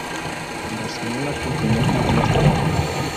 En Barcelona continuó con esta labor.